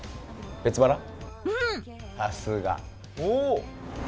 さすが。